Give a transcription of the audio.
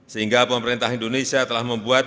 sehingga pemerintah indonesia telah membuat